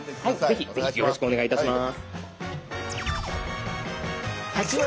ぜひぜひよろしくお願いいたします。